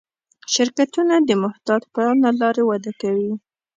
شرکتونه د محتاط پلان له لارې وده کوي.